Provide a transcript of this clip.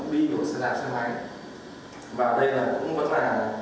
thì họ sẽ chứa khồn lên và kết hợp với một số công tác điện